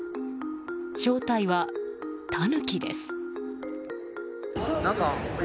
正体はタヌキです。